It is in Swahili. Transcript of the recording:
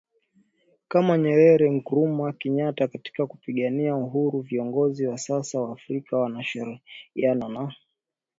kama Nyerere Nkrumah Kenyatta katika kupigania uhuru Viongozi wa sasa wa Afrika wanashirikiana na